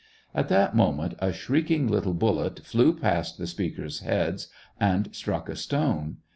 At that moment, a shrieking little bullet flew past the speakers' heads, and struck a stone.